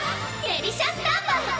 デリシャスタンバイ！